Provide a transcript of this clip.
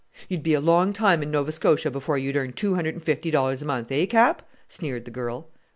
"You'd be a long time in Nova Scotia before you'd earn two hundred and fifty dollars a month! Eh, Cap?" sneered the girl.